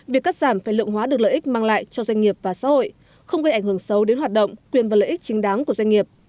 việc cắt giảm phải lượng hóa được lợi ích mang lại cho doanh nghiệp và xã hội không gây ảnh hưởng sâu đến hoạt động quyền và lợi ích chính đáng của doanh nghiệp